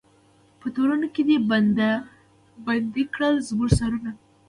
په تورونو کي دي بند کړل زموږ سرونه